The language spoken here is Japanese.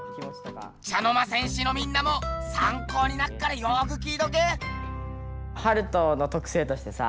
茶の間戦士のみんなも参考になっからよく聞いとけ。